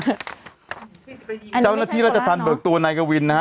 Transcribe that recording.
อันนี้ไม่ใช่โคลาสเนาะเจ้าหน้าที่ราชธรรมเบิกตัวนายกวินนะฮะ